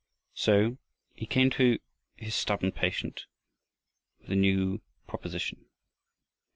So he came to his stubborn patient with a new proposition.